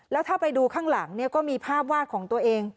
แล้วถ้าไปดูข้างหลังเนี่ยก็มีภาพวาดของตัวเอง